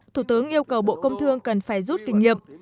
thủ tướng yêu cầu bộ công thương cần phải rút kinh nghiệm